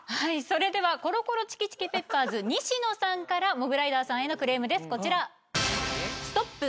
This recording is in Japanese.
それではコロコロチキチキペッパーズ西野さんからモグライダーさんへのクレームですこちら。